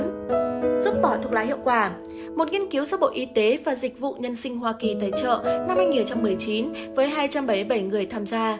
giúp bỏ thuốc lá hiệu quả một nghiên cứu do bộ y tế và dịch vụ nhân sinh hoa kỳ tài trợ năm hai nghìn một mươi chín với hai trăm bảy mươi bảy người tham gia